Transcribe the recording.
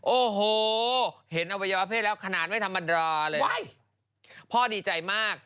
โอ้โหเห็นอวัยวะเพศแล้วขนาดไม่ธรรมดาเลยพ่อดีใจมาก